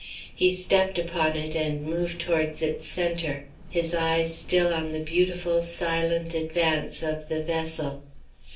He stepped upon it and moved towards its centre, his eyes still on the beautiful silent advance of the vessel.